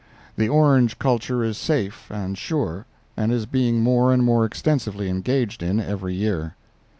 The orange culture is safe and sure, and is being more and more extensively engaged in every year.